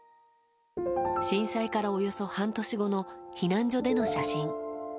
震災からおよそ半年後の避難所での写真。